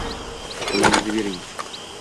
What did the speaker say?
Qo’lingizni bering –